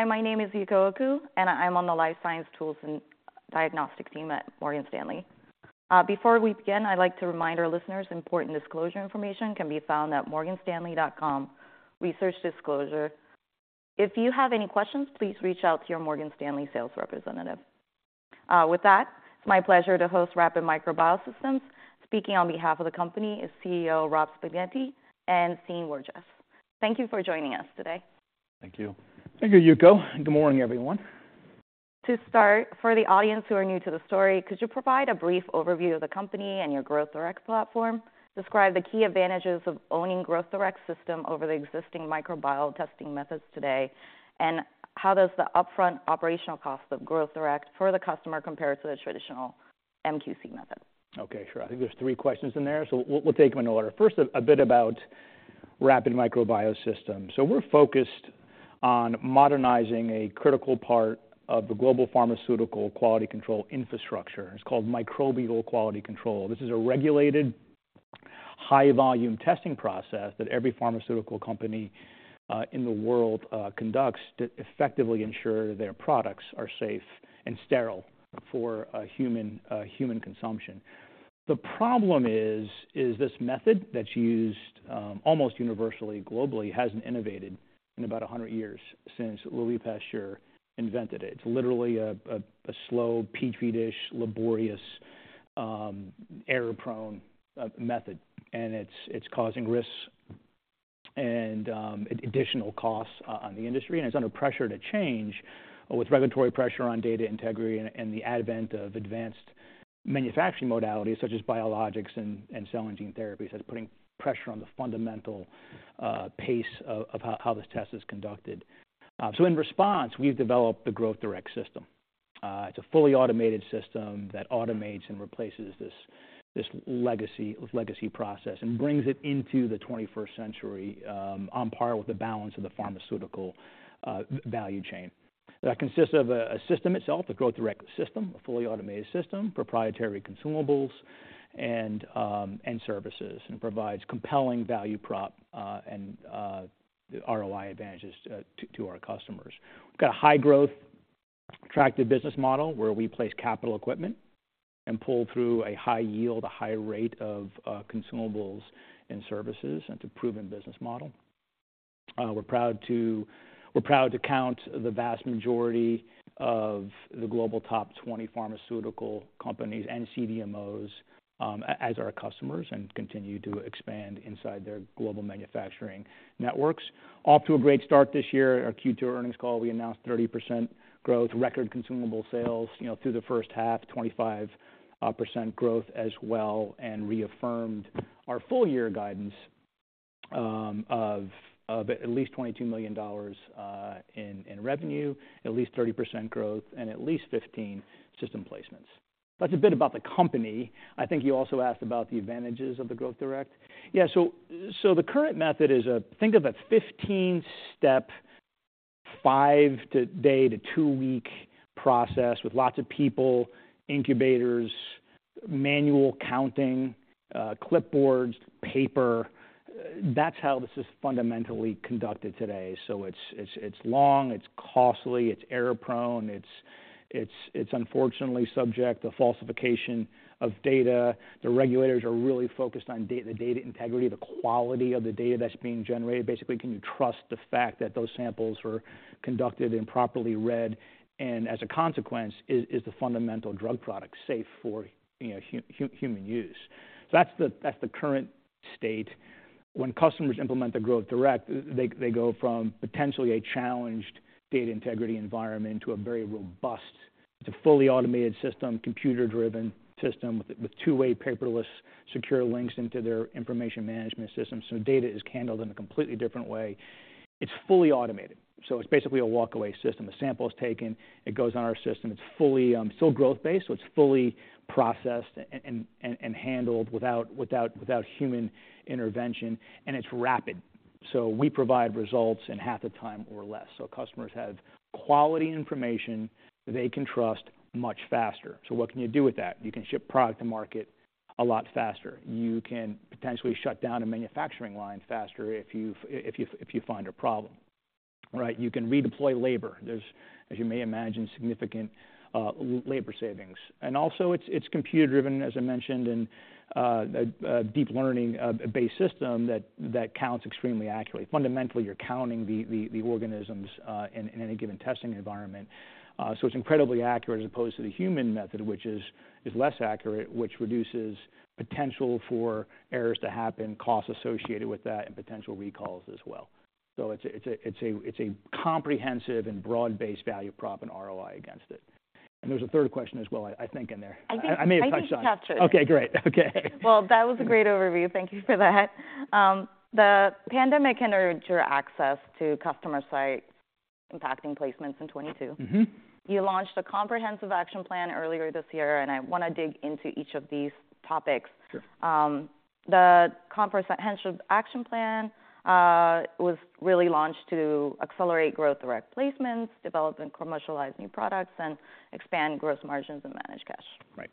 Hi, my name is Yuko Oku, and I'm on the life science tools and diagnostics team at Morgan Stanley. Before we begin, I'd like to remind our listeners important disclosure information can be found at morganstanley.com/researchdisclosure. If you have any questions, please reach out to your Morgan Stanley sales representative. With that, it's my pleasure to host Rapid Micro Biosystems. Speaking on behalf of the company is CEO, Rob Spignesi, and Sean Wirtjes. Thank you for joining us today. Thank you. Thank you, Yuko, and good morning, everyone. To start, for the audience who are new to the story, could you provide a brief overview of the company and your Growth Direct platform? Describe the key advantages of owning Growth Direct system over the existing microbial testing methods today, and how does the upfront operational cost of Growth Direct for the customer compare to the traditional MQC method? Okay, sure. I think there's three questions in there, so we'll take them in order. First, a bit about Rapid Micro Biosystems. So we're focused on modernizing a critical part of the global pharmaceutical quality control infrastructure, and it's called microbial quality control. This is a regulated, high-volume testing process that every pharmaceutical company in the world conducts to effectively ensure their products are safe and sterile for human consumption. The problem is this method that's used almost universally globally hasn't innovated in about 100 years since Louis Pasteur invented it. It's literally a slow, Petri dish, laborious, error-prone method, and it's causing risks and additional costs on the industry, and it's under pressure to change with regulatory pressure on data integrity and the advent of advanced manufacturing modalities such as biologics and cell and gene therapies. That's putting pressure on the fundamental pace of how this test is conducted. So in response, we've developed the Growth Direct system. It's a fully automated system that automates and replaces this legacy process and brings it into the 21st century, on par with the balance of the pharmaceutical value chain. That consists of a system itself, the Growth Direct system, a fully automated system, proprietary consumables, and services, and provides compelling value prop and ROI advantages to our customers. We've got a high-growth, attractive business model, where we place capital equipment and pull through a high yield, a high rate of, consumables and services, it's a proven business model. We're proud to, we're proud to count the vast majority of the global top 20 pharmaceutical companies and CDMOs, as our customers and continue to expand inside their global manufacturing networks. Off to a great start this year, our Q2 earnings call, we announced 30% growth, record consumable sales, you know, through the first half, 25% growth as well, and reaffirmed our full-year guidance, of, of at least $22 million, in, in revenue, at least 30% growth, and at least 15 system placements. That's a bit about the company. I think you also asked about the advantages of the Growth Direct. Yeah, so, so the current method is a, think of a 15-step, five-day to two-week process with lots of people, incubators, manual counting, clipboards, paper. That's how this is fundamentally conducted today. So it's, it's, it's long, it's costly, it's error-prone, it's, it's, it's unfortunately subject to falsification of data. The regulators are really focused on the data integrity, the quality of the data that's being generated. Basically, can you trust the fact that those samples were conducted and properly read, and as a consequence, is the fundamental drug product safe for, you know, human use? So that's the, that's the current state. When customers implement the Growth Direct, they, they go from potentially a challenged data integrity environment to a very robust, to fully automated system, computer-driven system, with two-way paperless secure links into their information management system. Data is handled in a completely different way. It's fully automated, so it's basically a walkaway system. A sample is taken, it goes on our system. It's fully still growth-based, so it's fully processed and handled without human intervention, and it's rapid. We provide results in half the time or less. Customers have quality information they can trust much faster. What can you do with that? You can ship product to market a lot faster. You can potentially shut down a manufacturing line faster if you find a problem, right? You can redeploy labor. There's, as you may imagine, significant labor savings. Also, it's computer-driven, as I mentioned, and a deep learning-based system that counts extremely accurately. Fundamentally, you're counting the organisms in any given testing environment. So it's incredibly accurate, as opposed to the human method, which is less accurate, which reduces potential for errors to happen, costs associated with that, and potential recalls as well. So it's a comprehensive and broad-based value prop and ROI against it. And there's a third question as well, I think in there. I think- I may have touched on it. I think you touched it. Okay, great. Okay. Well, that was a great overview. Thank you for that. The pandemic hindered your access to customer sites, impacting placements in 2022. Mm-hmm. You launched a comprehensive action plan earlier this year, and I want to dig into each of these topics. Sure. The comprehensive action plan was really launched to accelerate Growth Direct placements, develop and commercialize new products, and expand gross margins and manage cash. Right.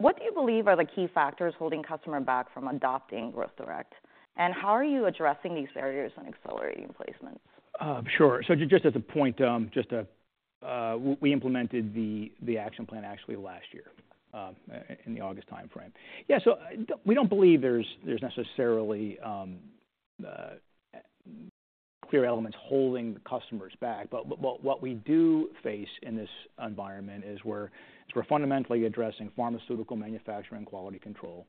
What do you believe are the key factors holding customers back from adopting Growth Direct, and how are you addressing these barriers and accelerating placements? Sure. So just as a point, just to, we implemented the action plan actually last year, in the August time frame. Yeah, so we don't believe there's necessarily clear elements holding the customers back, but what we do face in this environment is we're fundamentally addressing pharmaceutical manufacturing quality control,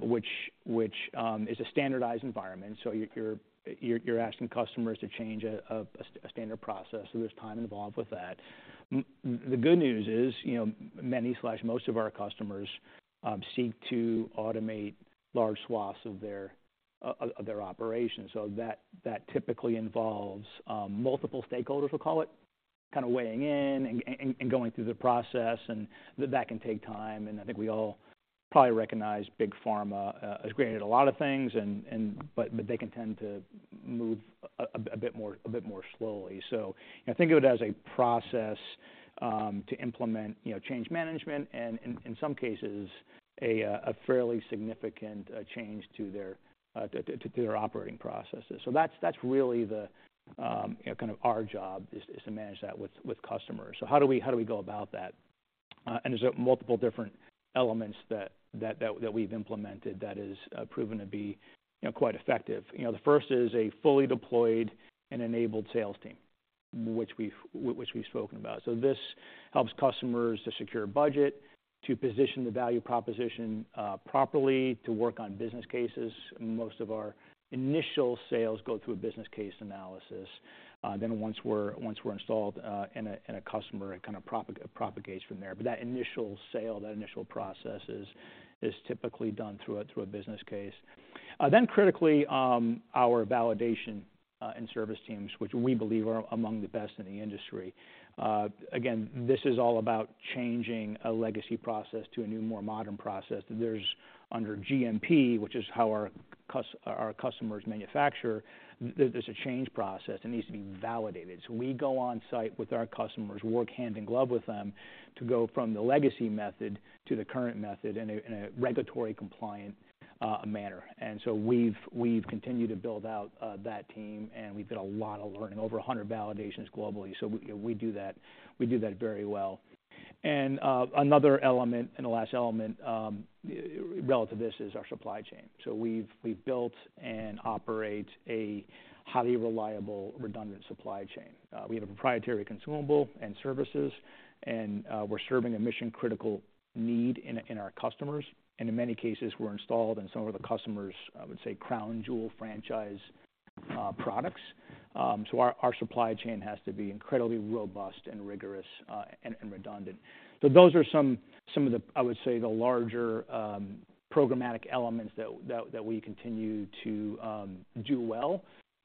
which is a standardized environment. So you're asking customers to change a standard process, so there's time involved with that. The good news is, you know, many slash most of our customers seek to automate large swaths of their operations. So that typically involves multiple stakeholders, we'll call it, kind of weighing in and going through the process, and that can take time, and I think we all probably recognize big pharma has created a lot of things and but they can tend to move a bit more slowly. So I think of it as a process to implement, you know, change management and in some cases a fairly significant change to their operating processes. So that's really the, you know, kind of our job is to manage that with customers. So how do we go about that? And there's multiple different elements that we've implemented that is proven to be, you know, quite effective. You know, the first is a fully deployed and enabled sales team, which we've spoken about. So this helps customers to secure budget, to position the value proposition properly, to work on business cases. Most of our initial sales go through a business case analysis, then once we're installed in a customer, it kind of propagates from there. But that initial sale, that initial process is typically done through a business case. Then critically, our validation and service teams, which we believe are among the best in the industry. Again, this is all about changing a legacy process to a new, more modern process. There's under GMP, which is how our customers manufacture, there's a change process, it needs to be validated. So we go on site with our customers, work hand in glove with them to go from the legacy method to the current method in a, in a regulatory compliant manner. And so we've, we've continued to build out that team, and we've done a lot of learning, over 100 validations globally. So we, you know, we do that, we do that very well. And, another element and the last element relative to this, is our supply chain. So we've, we've built and operate a highly reliable, redundant supply chain. We have a proprietary consumable and services, and we're serving a mission-critical need in our customers, and in many cases, we're installed in some of the customers', I would say, crown jewel franchise products. So our supply chain has to be incredibly robust and rigorous, and redundant. So those are some of the, I would say, the larger programmatic elements that we continue to do well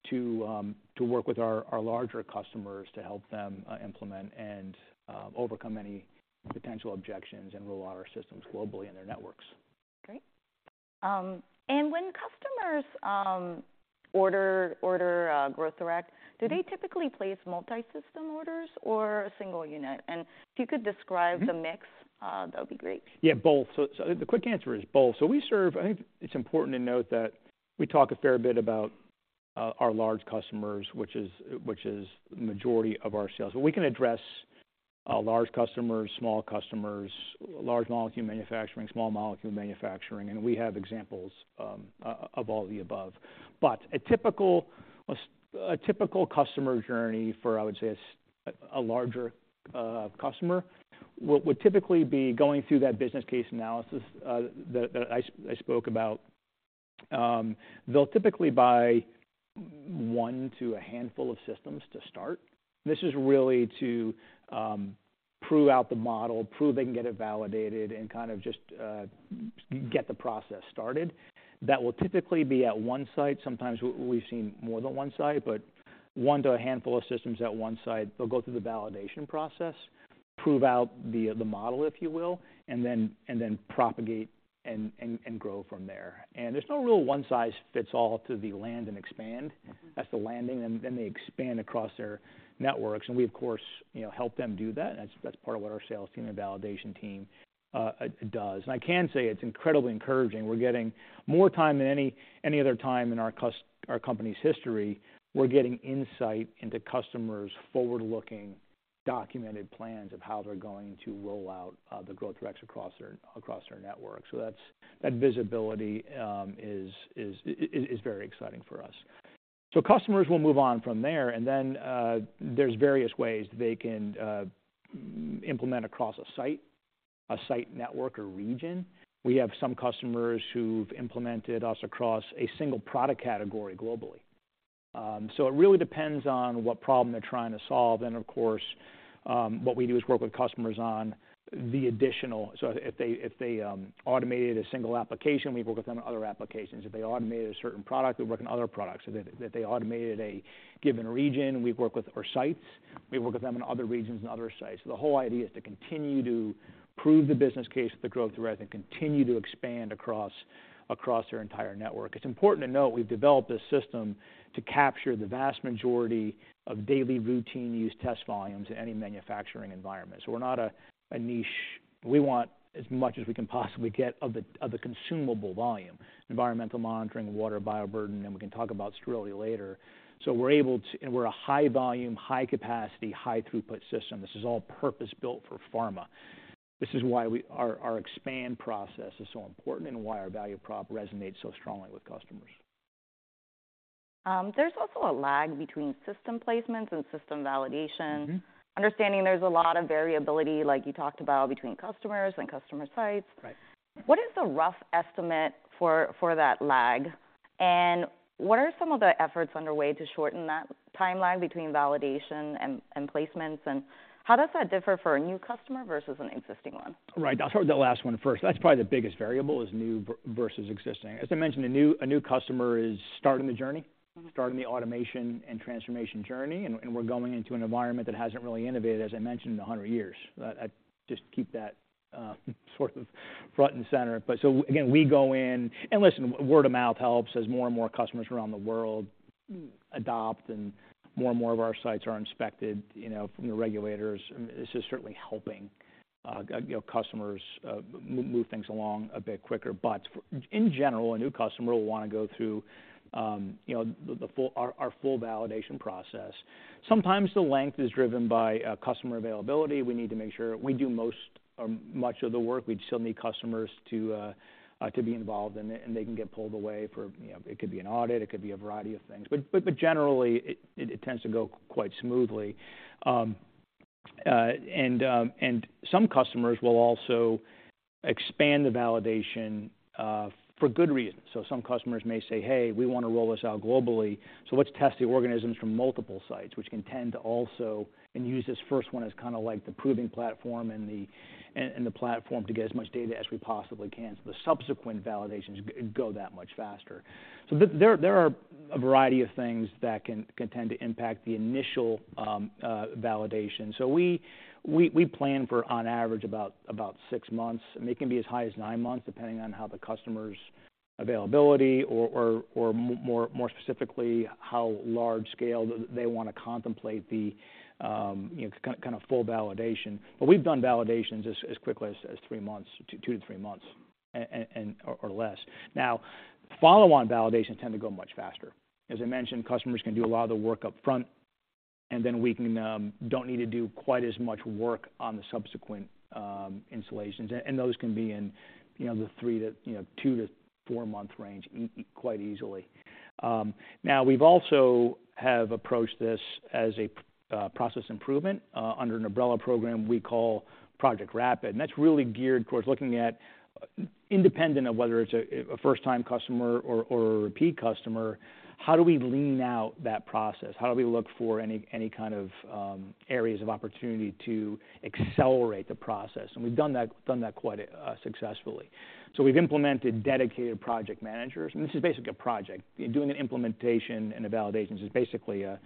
to work with our larger customers to help them implement and overcome any potential objections and roll out our systems globally in their networks. Great. And when customers order Growth Direct, do they typically place multi-system orders or a single unit? And if you could describe- Mm-hmm. the mix, that would be great. Yeah, both. So, the quick answer is both. So we serve... I think it's important to note that we talk a fair bit about our large customers, which is the majority of our sales. But we can address large customers, small customers, large molecule manufacturing, small molecule manufacturing, and we have examples of all of the above. But a typical customer journey for, I would say, a larger customer, would typically be going through that business case analysis that I spoke about. They'll typically buy one to a handful of systems to start. This is really to prove out the model, prove they can get it validated, and kind of just get the process started. That will typically be at one site. Sometimes we've seen more than one site, but one to a handful of systems at one site. They'll go through the validation process, prove out the, the model, if you will, and then, and then propagate and, and, and grow from there. There's no real one-size-fits-all to the land and expand. Mm-hmm. That's the landing, and then they expand across their networks, and we, of course, you know, help them do that. That's part of what our sales team and validation team does. And I can say it's incredibly encouraging. We're getting more time than any other time in our company's history. We're getting insight into customers' forward-looking, documented plans of how they're going to roll out the Growth Directs across their network. So that visibility is very exciting for us. So customers will move on from there, and then there's various ways they can implement across a site network or region. We have some customers who've implemented us across a single product category globally. So it really depends on what problem they're trying to solve, and of course, what we do is work with customers on the additional—so if they automated a single application, we work with them on other applications. If they automated a certain product, we work on other products. If they automated a given region, we work with, or sites, we work with them in other regions and other sites. The whole idea is to continue to prove the business case of the Growth Direct and continue to expand across their entire network. It's important to note, we've developed this system to capture the vast majority of daily routine use test volumes in any manufacturing environment. So we're not a niche-... We want as much as we can possibly get of the consumable volume, environmental monitoring, water bioburden, and we can talk about sterility later. So we're able to and we're a high volume, high capacity, high throughput system. This is all purpose-built for pharma. This is why our expand process is so important and why our value prop resonates so strongly with customers. There's also a lag between system placements and system validation. Mm-hmm. Understanding there's a lot of variability, like you talked about, between customers and customer sites. Right. What is the rough estimate for that lag? And what are some of the efforts underway to shorten that timeline between validation and placements, and how does that differ for a new customer versus an existing one? Right, I'll start with the last one first. That's probably the biggest variable: new versus existing. As I mentioned, a new customer is starting the journey, starting the automation and transformation journey, and we're going into an environment that hasn't really innovated, as I mentioned, in 100 years. I just keep that sort of front and center. So again, we go in. And listen, word of mouth helps as more and more customers around the world adopt and more and more of our sites are inspected, you know, from the regulators. This is certainly helping, you know, customers move things along a bit quicker. But in general, a new customer will want to go through, you know, our full validation process. Sometimes the length is driven by customer availability. We need to make sure we do most, much of the work. We'd still need customers to be involved in it, and they can get pulled away for, you know, it could be an audit, it could be a variety of things. But generally, it tends to go quite smoothly. Some customers will also expand the validation for good reasons. So some customers may say, "Hey, we want to roll this out globally, so let's test the organisms from multiple sites," which can tend to also... Use this first one as kind of like the proving platform and the platform to get as much data as we possibly can, so the subsequent validations go that much faster. So there are a variety of things that can tend to impact the initial validation. So we plan for, on average, about 6 months, and it can be as high as 9 months, depending on the customer's availability or, more specifically, how large scale they want to contemplate the, you know, kind of full validation. But we've done validations as quickly as three months, two to three months or less. Now, follow-on validations tend to go much faster. As I mentioned, customers can do a lot of the work up front, and then we don't need to do quite as much work on the subsequent installations, and those can be in, you know, the two to four-month range quite easily. Now, we've also have approached this as a process improvement under an umbrella program we call Project Rapid. And that's really geared towards looking at, independent of whether it's a first-time customer or a repeat customer, how do we lean out that process? How do we look for any kind of areas of opportunity to accelerate the process? And we've done that quite successfully. So we've implemented dedicated project managers, and this is basically a project. Doing an implementation and a validation is basically a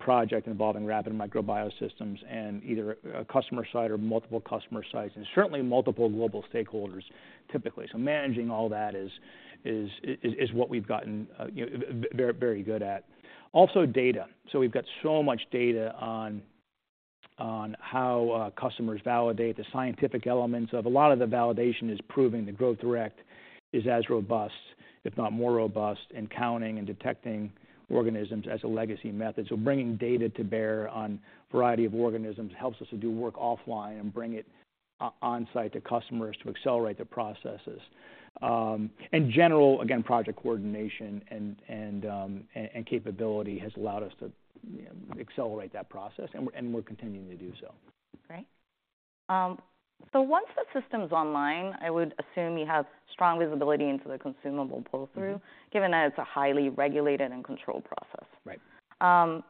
project involving Rapid Micro Biosystems and either a customer site or multiple customer sites, and certainly multiple global stakeholders, typically. So managing all that is what we've gotten, you know, very good at. Also data. So we've got so much data on how customers validate the scientific elements of... A lot of the validation is proving the Growth Direct is as robust, if not more robust, in counting and detecting organisms as a legacy method. So bringing data to bear on a variety of organisms helps us to do work offline and bring it on-site to customers to accelerate their processes. And general, again, project coordination and capability has allowed us to, you know, accelerate that process, and we're continuing to do so. Great. So once the system is online, I would assume you have strong visibility into the consumable pull-through- Mm-hmm... given that it's a highly regulated and controlled process. Right.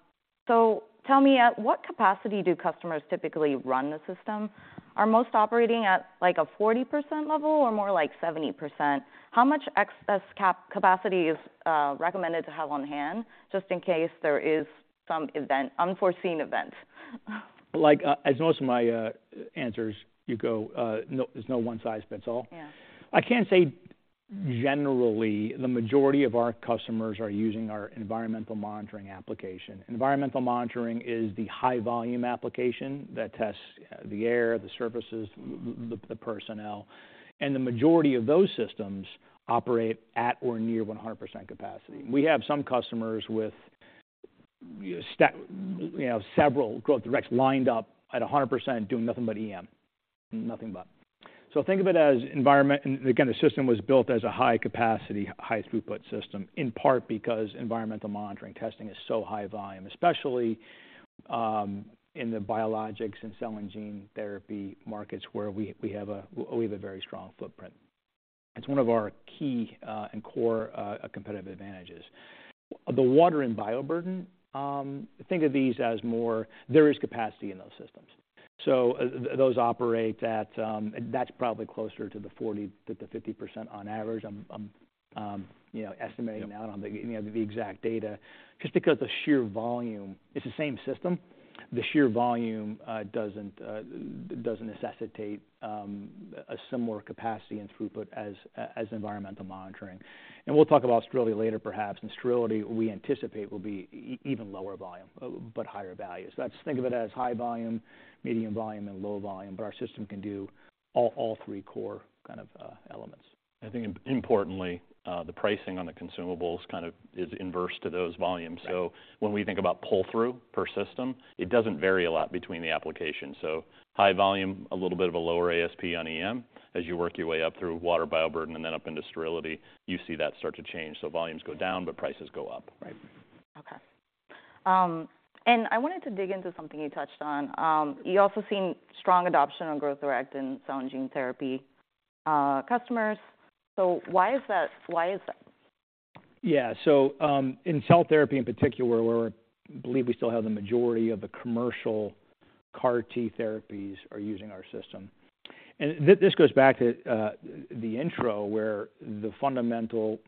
So, tell me, at what capacity do customers typically run the system? Are most operating at, like, a 40% level or more like 70%? How much excess capacity is recommended to have on hand, just in case there is some event, unforeseen event? Like, as most of my answers, you go, no, there's no one-size-fits-all. Yeah. I can say generally, the majority of our customers are using our environmental monitoring application. Environmental monitoring is the high volume application that tests the air, the surfaces, the personnel, and the majority of those systems operate at or near 100% capacity. We have some customers with you know, several Growth Directs lined up at a 100%, doing nothing but EM. Nothing but. So think of it as environment, and again, the system was built as a high capacity, high throughput system, in part because environmental monitoring testing is so high volume, especially in the biologics and cell and gene therapy markets, where we have a very strong footprint. It's one of our key and core competitive advantages. The water and bioburden, think of these as more, there is capacity in those systems, so those operate at. That's probably closer to the 40%-50% on average. I'm, I'm, you know, estimating that on the, you know, the exact data. Just because the sheer volume, it's the same system, the sheer volume, doesn't, doesn't necessitate a similar capacity and throughput as, as environmental monitoring. And we'll talk about sterility later, perhaps, and sterility, we anticipate, will be even lower volume, but higher value. So that's, think of it as high volume, medium volume, and low volume, but our system can do all, all three core kind of elements. I think importantly, the pricing on the consumables kind of is inverse to those volumes. Yeah. So when we think about pull-through per system, it doesn't vary a lot between the applications. So high volume, a little bit of a lower ASP on EM. As you work your way up through water bioburden, and then up into sterility, you see that start to change. So volumes go down, but prices go up. Right. Okay. I wanted to dig into something you touched on. You've also seen strong adoption on Growth Direct in cell and gene therapy customers. So why is that? Why is that? Yeah. So, in cell therapy in particular, where I believe we still have the majority of the commercial CAR T therapies are using our system. And this goes back to the intro, where the fundamental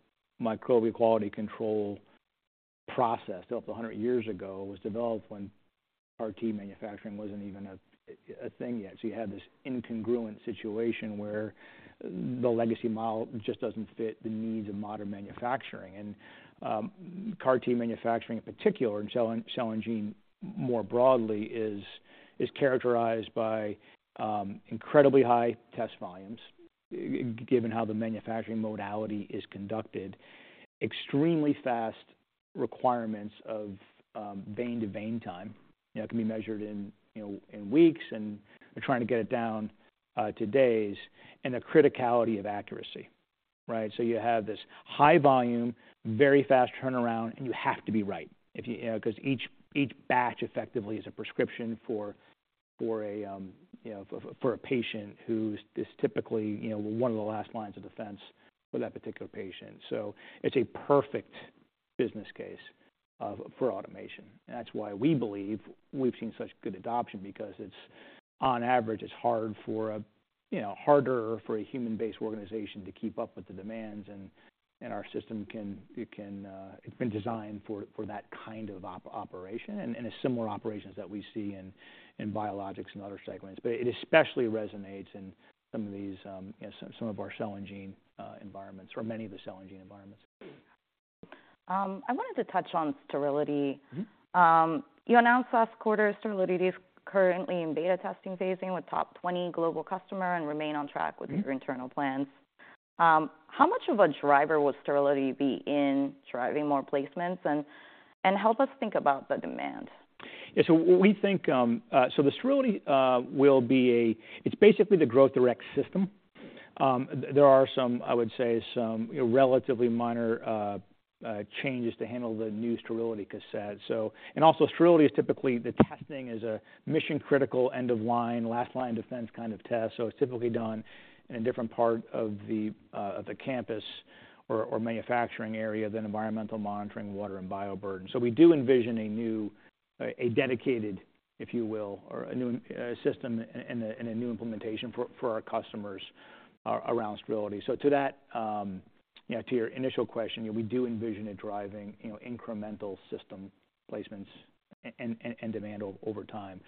microbial quality control process, developed 100 years ago, was developed when CAR T manufacturing wasn't even a thing yet. So you had this incongruent situation where the legacy model just doesn't fit the needs of modern manufacturing. And CAR T manufacturing, in particular, and cell and gene, more broadly, is characterized by incredibly high test volumes, given how the manufacturing modality is conducted, extremely fast requirements of vein-to-vein time. You know, it can be measured in weeks, and we're trying to get it down to days, and the criticality of accuracy, right? So you have this high volume, very fast turnaround, and you have to be right, if you—you know, 'cause each, each batch effectively is a prescription for, for a, you know, for, for a patient who's—this is typically, you know, one of the last lines of defense for that particular patient. So it's a perfect business case of, for automation. That's why we believe we've seen such good adoption, because it's, on average, it's hard for a, you know, harder for a human-based organization to keep up with the demands, and, and our system can, it can, it's been designed for, for that kind of operation, and, and similar operations that we see in, in biologics and other segments. But it especially resonates in some of these, you know, some of our cell and gene environments or many of the cell and gene environments. I wanted to touch on sterility. Mm-hmm. You announced last quarter sterility is currently in beta testing phasing with top 20 global customer and remain on track- Mm-hmm. -with your internal plans. How much of a driver will sterility be in driving more placements? And help us think about the demand. Yeah, so we think, so the sterility will be a... It's basically the Growth Direct system. There are some, I would say, relatively minor changes to handle the new sterility cassette. So, and also sterility is typically the testing is a mission-critical, end of line, last line defense kind of test, so it's typically done in a different part of the campus or manufacturing area than environmental monitoring, water, and bioburden. So we do envision a new, a dedicated, if you will, or a new system and a new implementation for our customers around sterility. So to that, you know, to your initial question, yeah, we do envision it driving, you know, incremental system placements and demand over time.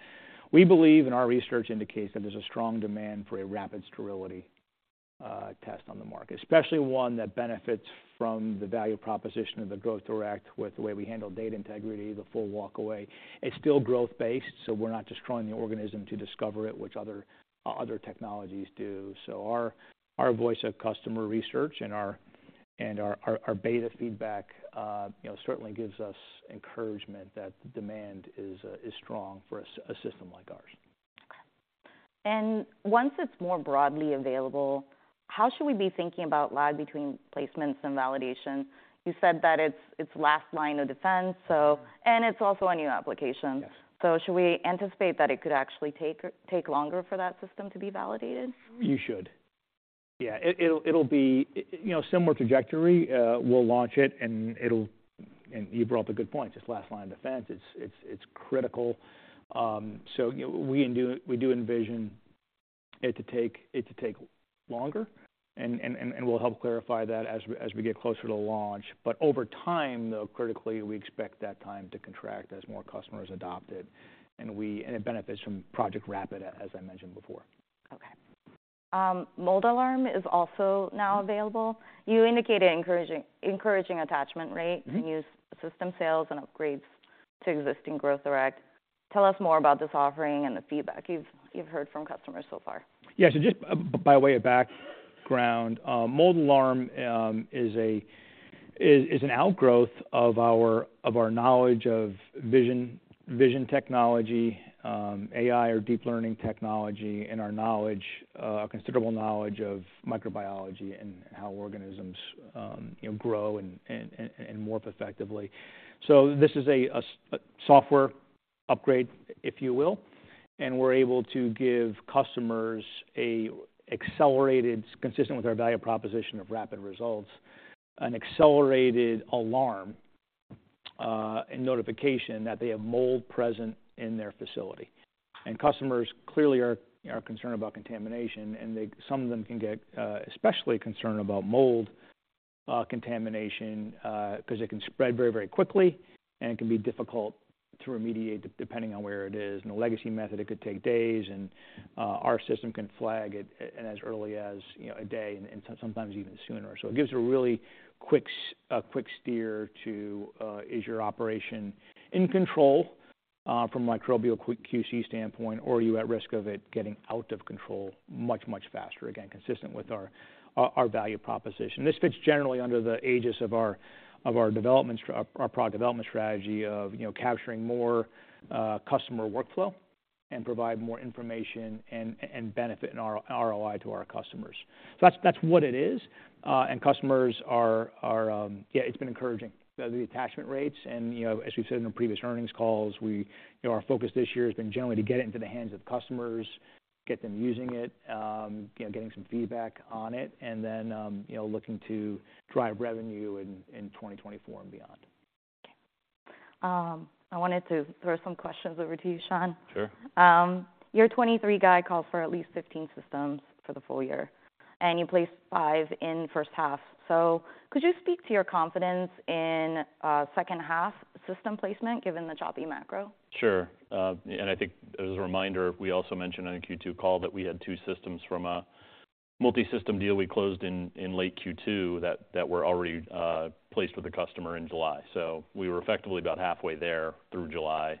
We believe, and our research indicates, that there's a strong demand for a rapid sterility test on the market, especially one that benefits from the value proposition of the Growth Direct, with the way we handle data integrity, the full walk away. It's still growth-based, so we're not just growing the organism to discover it, which other technologies do. So our voice of customer research and our beta feedback, you know, certainly gives us encouragement that the demand is strong for a system like ours. Okay. And once it's more broadly available, how should we be thinking about lag between placements and validation? You said that it's last line of defense, so... And it's also a new application. Yes. Should we anticipate that it could actually take longer for that system to be validated? You should. Yeah, it'll be, you know, similar trajectory. We'll launch it, and it'll. You brought up a good point, it's last line of defense. It's critical. So, you know, we do envision it to take longer, and we'll help clarify that as we get closer to launch. But over time, though, critically, we expect that time to contract as more customers adopt it, and it benefits from Project Rapid, as I mentioned before. Okay. Mold Alarm is also now available. You indicated encouraging attachment rate- Mm-hmm. to new system sales and upgrades to existing Growth Direct. Tell us more about this offering and the feedback you've heard from customers so far. Yeah, so just by way of background, Mold Alarm is an outgrowth of our knowledge of vision technology, AI or deep learning technology, and our considerable knowledge of microbiology and how organisms, you know, grow and morph effectively. So this is a software upgrade, if you will, and we're able to give customers an accelerated, consistent with our value proposition of rapid results, an accelerated alarm, and notification that they have mold present in their facility. And customers clearly are, you know, concerned about contamination, and they, some of them can get especially concerned about mold contamination, because it can spread very, very quickly, and it can be difficult to remediate, depending on where it is. In a legacy method, it could take days, and our system can flag it as early as, you know, a day and sometimes even sooner. So it gives a really quick steer to, is your operation in control, from a microbial quick QC standpoint, or are you at risk of it getting out of control much, much faster? Again, consistent with our value proposition. This fits generally under the aegis of our product development strategy of, you know, capturing more customer workflow and provide more information and benefit and our ROI to our customers. So that's what it is. And customers are... Yeah, it's been encouraging. The attachment rates and, you know, as we've said in the previous earnings calls, we, you know, our focus this year has been generally to get it into the hands of customers, get them using it, you know, getting some feedback on it, and then, you know, looking to drive revenue in 2024 and beyond. I wanted to throw some questions over to you, Sean. Sure. Your 2023 guide calls for at least 15 systems for the full year, and you placed five in the first half. So could you speak to your confidence in second half system placement, given the choppy macro? Sure. And I think as a reminder, we also mentioned on the Q2 call that we had two systems from a multisystem deal we closed in late Q2 that were already placed with the customer in July. So we were effectively about halfway there through July.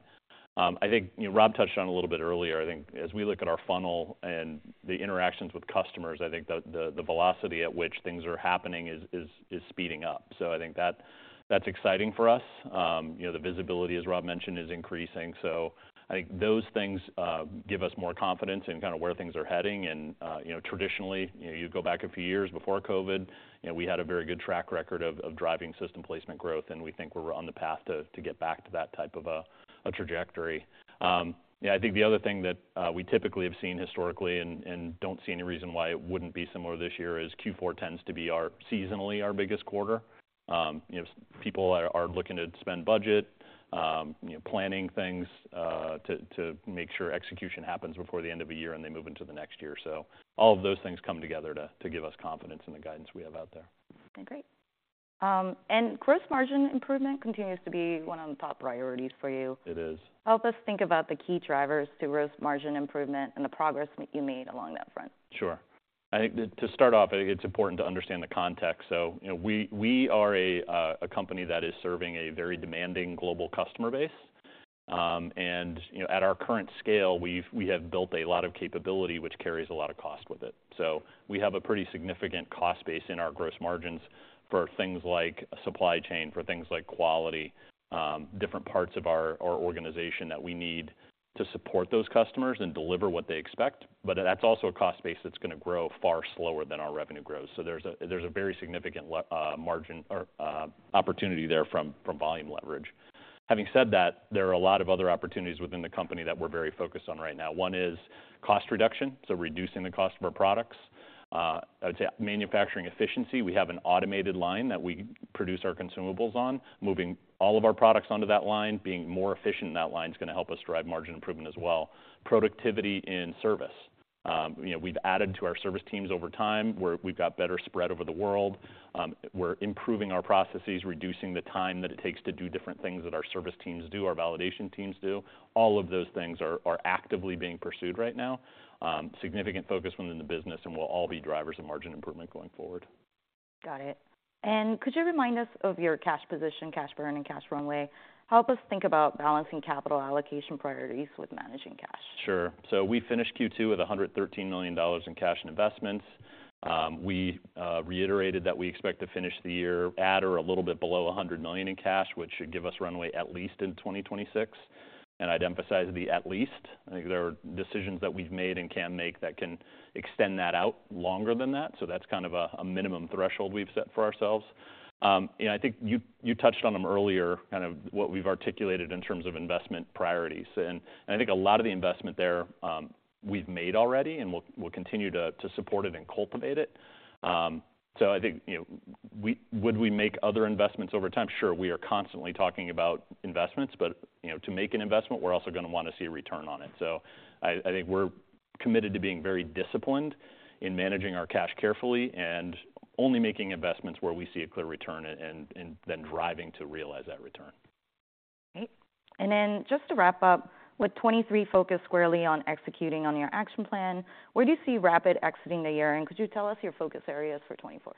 I think, you know, Rob touched on it a little bit earlier. I think as we look at our funnel and the interactions with customers, I think the velocity at which things are happening is speeding up. So I think that's exciting for us. You know, the visibility, as Rob mentioned, is increasing. So I think those things give us more confidence in kind of where things are heading. And, you know, traditionally, you know, you go back a few years before COVID, you know, we had a very good track record of driving system placement growth, and we think we're on the path to get back to that type of a trajectory. Yeah, I think the other thing that we typically have seen historically, and don't see any reason why it wouldn't be similar this year, is Q4 tends to be our seasonally biggest quarter. You know, people are looking to spend budget, you know, planning things to make sure execution happens before the end of the year and they move into the next year. So all of those things come together to give us confidence in the guidance we have out there. Okay, great. Gross margin improvement continues to be one of the top priorities for you. It is. Help us think about the key drivers to gross margin improvement and the progress that you made along that front. Sure. I think to start off, I think it's important to understand the context. So, you know, we are a company that is serving a very demanding global customer base. And, you know, at our current scale, we've built a lot of capability, which carries a lot of cost with it. So we have a pretty significant cost base in our gross margins for things like supply chain, for things like quality, different parts of our organization that we need to support those customers and deliver what they expect. But that's also a cost base that's going to grow far slower than our revenue grows. So there's a very significant margin or opportunity there from volume leverage. Having said that, there are a lot of other opportunities within the company that we're very focused on right now. One is cost reduction, so reducing the cost of our products. I'd say manufacturing efficiency. We have an automated line that we produce our consumables on. Moving all of our products onto that line, being more efficient in that line is going to help us drive margin improvement as well. Productivity in service. You know, we've added to our service teams over time, where we've got better spread over the world. We're improving our processes, reducing the time that it takes to do different things that our service teams do, our validation teams do. All of those things are actively being pursued right now. Significant focus within the business, and will all be drivers of margin improvement going forward. Got it. Could you remind us of your cash position, cash burn, and cash runway? Help us think about balancing capital allocation priorities with managing cash. Sure. So we finished Q2 with $113 million in cash and investments. We reiterated that we expect to finish the year at or a little bit below $100 million in cash, which should give us runway at least in 2026. And I'd emphasize the at least. I think there are decisions that we've made and can make that can extend that out longer than that, so that's kind of a minimum threshold we've set for ourselves. And I think you touched on them earlier, kind of what we've articulated in terms of investment priorities. And I think a lot of the investment there, we've made already, and we'll continue to support it and cultivate it. So I think, you know, would we make other investments over time? Sure, we are constantly talking about investments, but, you know, to make an investment, we're also going to want to see a return on it. So I think we're committed to being very disciplined in managing our cash carefully and only making investments where we see a clear return and then driving to realize that return. Great. And then just to wrap up, with 2023 focused squarely on executing on your action plan, where do you see Rapid exiting the year, and could you tell us your focus areas for 2024?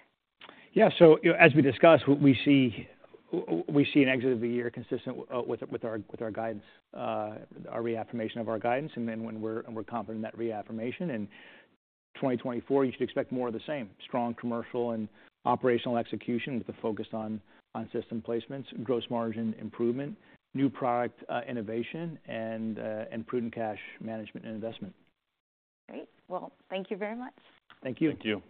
Yeah. So, you know, as we discussed, we see an exit of the year consistent with our guidance, our reaffirmation of our guidance, and then when we're—and we're confident in that reaffirmation. And 2024, you should expect more of the same: strong commercial and operational execution with a focus on system placements, gross margin improvement, new product innovation, and prudent cash management and investment. Great. Well, thank you very much. Thank you. Thank you.